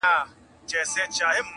څنگه ټینگ به په خپل منځ کي عدالت کړو!